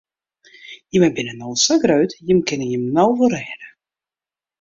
Jimme binne no al sa grut, jimme kinne jim no wol rêde.